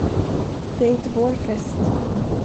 Det är inte vår fest.